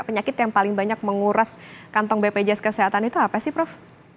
penyakit yang paling banyak menguras kantong bpjs kesehatan itu apa sih prof